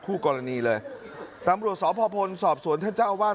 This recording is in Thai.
คู่กรณีเลยตำรวจสพพลสอบสวนท่านเจ้าอาวาส